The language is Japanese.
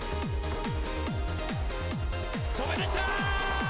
とめてきた。